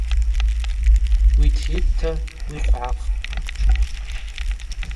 Уитйыпӏта уихвгӏахпӏ.